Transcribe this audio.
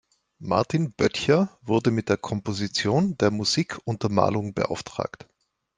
Martin Böttcher wurde mit der Komposition der Musikuntermalung beauftragt.